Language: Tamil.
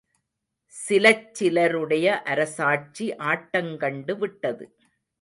சிலச் சிலருடைய அரசாட்சி ஆட்டங்கண்டு விட்டது.